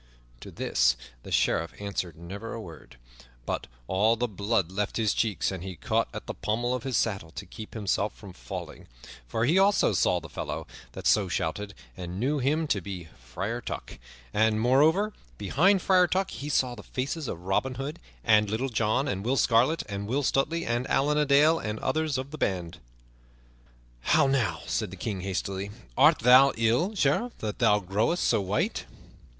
To this the Sheriff answered never a word, but all the blood left his cheeks, and he caught at the pommel of his saddle to keep himself from falling; for he also saw the fellow that so shouted, and knew him to be Friar Tuck; and, moreover, behind Friar Tuck he saw the faces of Robin Hood and Little John and Will Scarlet and Will Stutely and Allan a Dale and others of the band. "How now," said the King hastily, "art thou ill, Sheriff, that thou growest so white?"